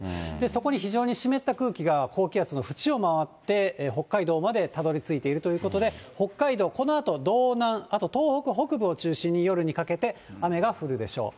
そこに非常に湿った空気が、高気圧の縁を回って北海道までたどりついているということで、北海道、このあと道南、あと東北北部を中心に、夜にかけて雨が降るでしょう。